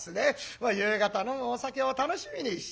まあ夕方飲むお酒を楽しみにしている。